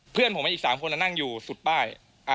เพื่อนผมอีก๓คนนั่งอยู่สุดป้าย